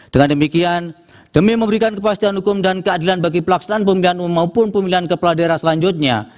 dengan demikian demi memberikan kepastian hukum dan keadilan bagi pelaksanaan pemilihan umum maupun pemilihan kepala daerah selanjutnya